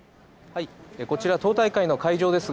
こちら党大会の会場です。